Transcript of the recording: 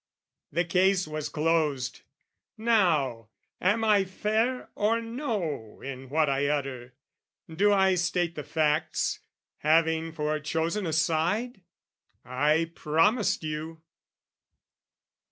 The case was closed. Now, am I fair or no In what I utter? Do I state the facts, Having forechosen a side? I promised you!